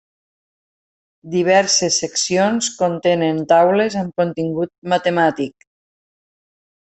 Diverses seccions contenen taules amb contingut matemàtic.